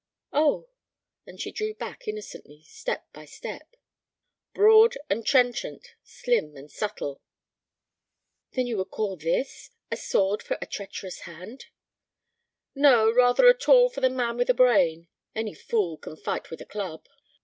"Oh!" And she drew back innocently, step by step. "Broad and trenchant; slim and subtle." "Then you would call this a sword for a treacherous hand?" "No, rather a tool for the man with a brain. Any fool can fight with a club."